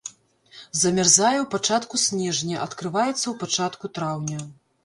Замярзае ў пачатку снежня, адкрываецца ў пачатку траўня.